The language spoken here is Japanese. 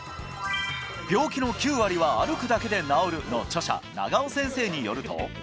病気の９割は歩くだけで治る！の著者、長尾先生によると。